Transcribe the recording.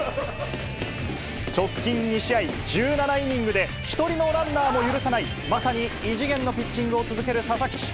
直近２試合、１７イニングで一人のランナーも許さない、まさに異次元のピッチングを続ける佐々木投手。